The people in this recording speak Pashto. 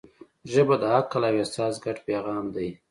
ژبه د عقل او احساس ګډ پیغام دی